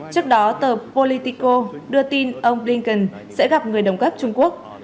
trước đó tờ politico đưa tin ông blinken sẽ gặp người đồng cấp trung quốc